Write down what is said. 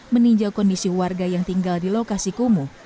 meninjau kondisi warga yang tinggal di lokasi kumuh